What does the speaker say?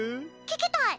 聞きたい！